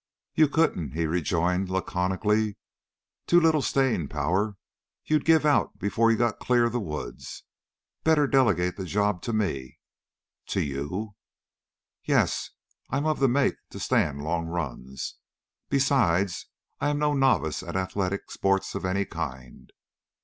"You couldn't," he rejoined laconically. "Too little staying power; you'd give out before you got clear of the woods. Better delegate the job to me." "To you?" "Yes. I'm of the make to stand long runs; besides I am no novice at athletic sports of any kind.